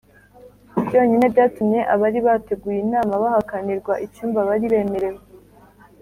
byonyine byatumye abari bateguye inama bahakanirwa icyumba bari bemerewe.